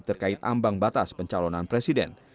terkait ambang batas pencalonan presiden